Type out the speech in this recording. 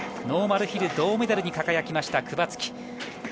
ノーマルヒル銅メダルに輝きましたクバツキ。